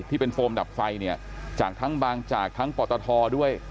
ที่เป็นโฟมดับไฟเนี่ยจากทั้งบางจากทั้งปตทด้วย